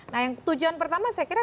nah yang tujuan pertama saya kira